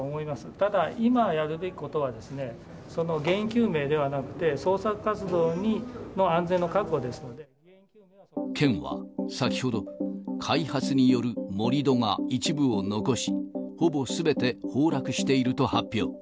ただ、今やるべきことはですね、その原因究明ではなくて、県は先ほど、開発による盛り土が一部を残し、ほぼすべて崩落していると発表。